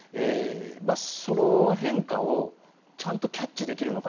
その変化をちゃんとキャッチできるのか。